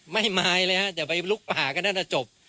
ไม่มายเลยครับอย่าไปลุกป่าก็ได้นะจบ